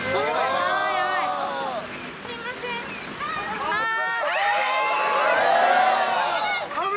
すいません！